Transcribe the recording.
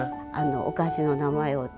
お菓子の名前を。